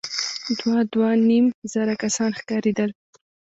دوه ، دوه نيم زره کسان ښکارېدل.